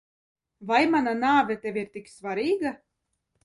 Vai mana nāve tev ir tik svarīga?